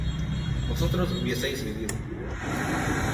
vosotros hubieseis vivido